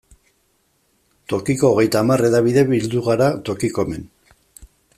Tokiko hogeita hamar hedabide bildu gara Tokikomen.